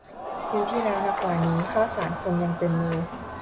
ปีที่แล้วหนักกว่านี้ ข้าวสารคนยังเต็มเลย